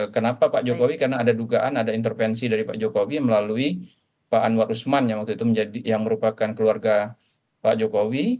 kenapa pak jokowi karena ada dugaan ada intervensi dari pak jokowi melalui pak anwar usman yang waktu itu yang merupakan keluarga pak jokowi